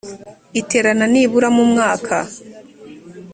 iterena nibura rimwe mu mwaka